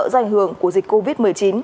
do ảnh hưởng của dịch covid một mươi chín